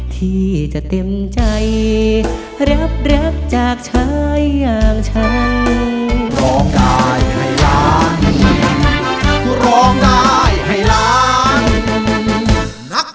ที่จะเต็มใจเรียบจากชายอย่างเชิง